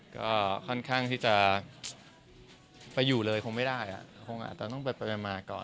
ก็ค่อนข้างที่จะไปอยู่เลยคงไม่ได้คงอาจจะต้องไปมาก่อน